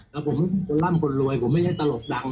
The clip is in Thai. แล้วผมคนร่ำคนรวยผมไม่ใช่ตลกดัง